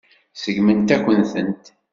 Seggment-akent-tent.